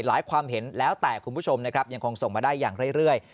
ความเห็นแล้วแต่คุณผู้ชมนะครับยังคงส่งมาได้อย่างเรื่อย